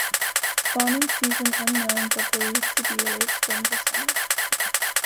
Spawning season unknown but believed to be late spring to summer.